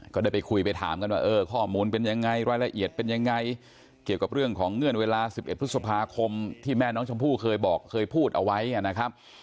ก็ได้ไปคุยไปถามกันว่าเออข้อมูลเป็นยังไงรายละเอียดเป็นยังไงเกี่ยวกับเรื่องของเงื่อนเวลา๑๑พฤษภาคมที่แม่น้องชมพู่เคยบอกเคยพูดเอาไว้นะครับ